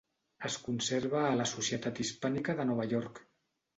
Es conserva a la Societat Hispànica de Nova York.